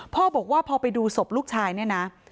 พ่อบอกว่าพอไปดูศพลูกชายเนี่ยนะ